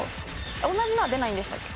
同じのは出ないんでしたっけ？